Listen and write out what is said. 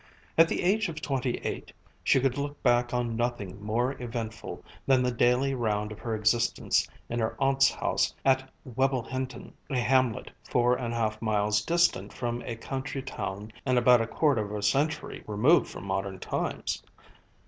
At the age of twenty eight she could look back on nothing more eventful than the daily round of her existence in her aunt's house at Webblehinton, a hamlet four and a half miles distant from a country town and about a quarter of a century removed from modern times.